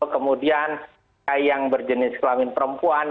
kemudian kai yang berjenis kelamin perempuan